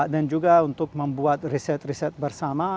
dan juga untuk membuat riset riset bersama